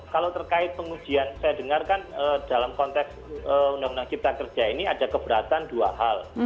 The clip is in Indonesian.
kalau terkait pengujian saya dengarkan dalam konteks undang undang cipta kerja ini ada keberatan dua hal